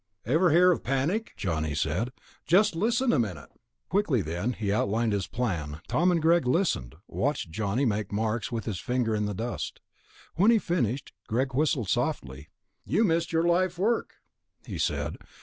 _" "Ever hear of panic?" Johnny said. "Just listen a minute." Quickly then, he outlined his plan. Tom and Greg listened, watched Johnny make marks with his finger in the dust. When he finished, Greg whistled softly. "You missed your life work," he said.